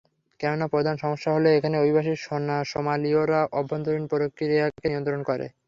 কেননা, প্রধান সমস্যা হলো এখানে অভিবাসী সোমালিয়রা অভ্যন্তরীণ প্রক্রিয়াকে নিয়ন্ত্রণ করে।